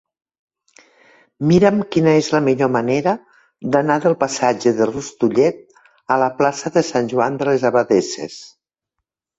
Mira'm quina és la millor manera d'anar del passatge de Rustullet a la plaça de Sant Joan de les Abadesses.